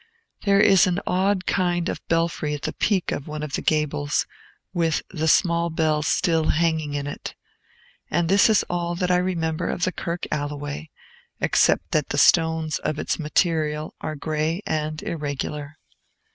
There is an odd kind of belfry at the peak of one of the gables, with the small bell still hanging in it. And this is all that I remember of Kirk Alloway, except that the stones of its material are gray and irregular.